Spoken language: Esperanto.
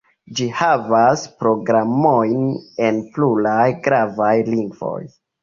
Ĝi havas programojn en pluraj gravaj lingvoj.